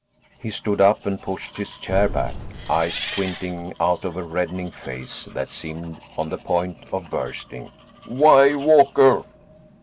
He stood up and pushed his chair back, eyes squinting out of a reddening face that seemed on the point of bursting. "Why, Walker?"